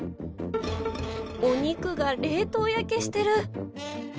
お肉が冷凍焼けしてる。